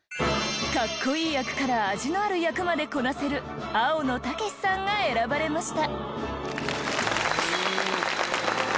格好いい役から味のある役までこなせる青野武さんが選ばれました。